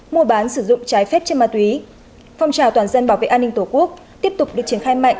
mua bán sử dụng trái phép trên ma túy phong trào toàn dân bảo vệ an ninh tổ quốc tiếp tục được triển khai mạnh